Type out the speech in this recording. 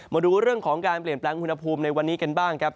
มาดูเรื่องของการเปลี่ยนแปลงอุณหภูมิในวันนี้กันบ้างครับ